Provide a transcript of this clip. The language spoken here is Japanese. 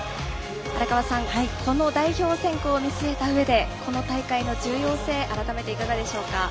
荒川さん、この代表選考を見据えたうえでこの大会の重要性改めていかがでしょうか。